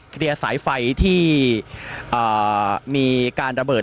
เคลียร์สายไฟที่มีการระเบิด